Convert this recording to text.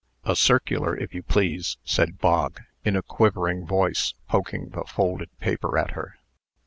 "A circular, if you please," said Bog, in a quivering voice, poking the folded paper at her.